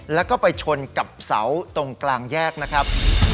แล้วก็ไปชนกับเสาตรงกลางแยกนะครับ